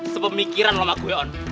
sepemikiran lo mbak gue on